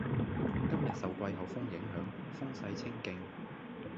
今日受季候風影響，風勢清勁